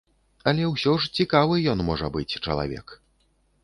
Але ўсё ж цікавы ён можа быць чалавек.